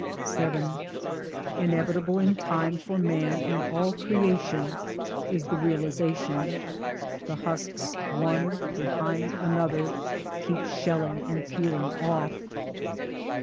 VII Inevitable in time for man and all creation is the realisation : the husks one behind another keep shelling and peeling off.